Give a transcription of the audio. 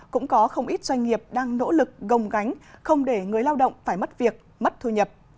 cũng có không ít doanh nghiệp đang nỗ lực gồng gánh không để người lao động phải mất việc mất thu nhập